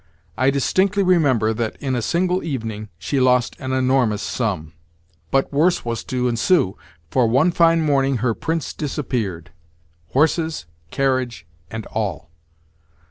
I distinctly remember that in a single evening she lost an enormous sum. But worse was to ensue, for one fine morning her prince disappeared—horses, carriage, and all.